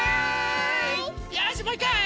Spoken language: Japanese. よしもういっかい！